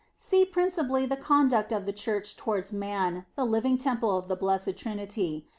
"* See principally the conduct of the Church towards man, the living temple of the Blessed Trinity.